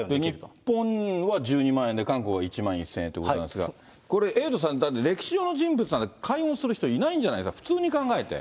日本は１２万円で、韓国は１万１０００円ということなんですが、これ、エイトさん、だって歴史上の人物なんか解怨する人いないんじゃないか。